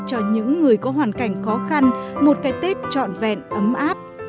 cho những người có hoàn cảnh khó khăn một cái tết trọn vẹn ấm áp